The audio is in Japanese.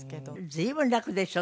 随分楽でしょ？